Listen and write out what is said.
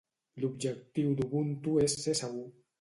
L'objectiu d'Ubuntu és ser segur